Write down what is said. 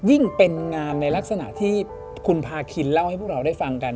ยิ่งเป็นงานในลักษณะที่คุณพาคินเล่าให้พวกเราได้ฟังกัน